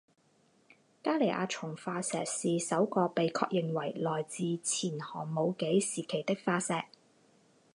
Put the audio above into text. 加尼亚虫化石是首个被确认为来自前寒武纪时期的化石。